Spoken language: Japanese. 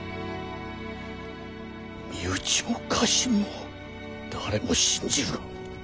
身内も家臣も誰も信じるな。